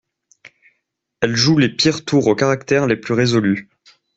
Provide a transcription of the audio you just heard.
Elle joue les pires tours aux caractères les plus résolus.